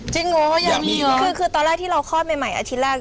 จริงเหรออยากมีเหรอคือตอนแรกที่เราคลอดใหม่อาทิตย์แรก